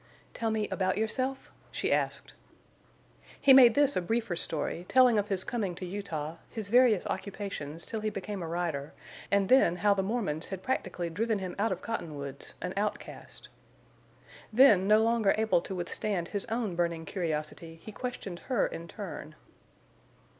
"Tell me—about yourself?" she asked. He made this a briefer story, telling of his coming to Utah, his various occupations till he became a rider, and then how the Mormons had practically driven him out of Cottonwoods, an outcast. Then, no longer able to withstand his own burning curiosity, he questioned her in turn.